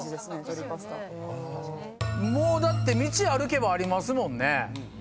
もうだって道歩けばありますもんね。